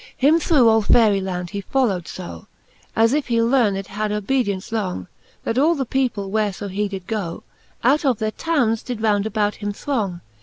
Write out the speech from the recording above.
XXXVII. Him through all Faery land he follow'd fo, As if he learned had obedience long, That all the people, where fo he did go. Out of their townes did round about him throng.